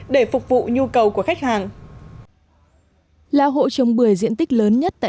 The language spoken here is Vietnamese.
để phục vụ nhu cầu của khách hàng là hộ trồng bưởi diện tích lớn nhất tại